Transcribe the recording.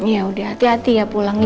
yaudah hati hati ya pulangnya